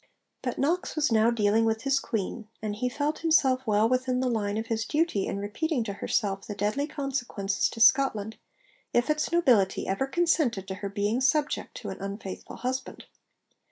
But Knox was now dealing with his Queen, and he felt himself well within the line of his duty in repeating to herself the deadly consequences to Scotland if its nobility ever consented to her being 'subject to an unfaithful husband.'